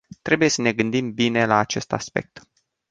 Trebuie să ne gândim bine la acest aspect.